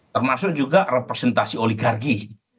termasuk juga representasi oligarki